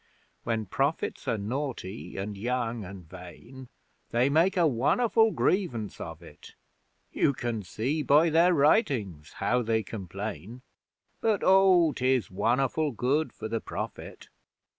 When Prophets are naughty and young and vain, They make a won'erful grievance of it; (You can see by their writings how they complain), But Oh, 'tis won'erful good for the Prophet!